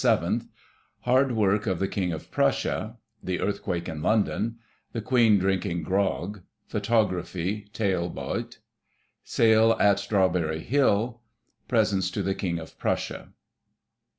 — Hard work of the King of Prussia — The Earthquake in London — The Queen drinking "grog" — Photography Talbotype — Sale at Strawberry Hill — Presents to the King of Prussia.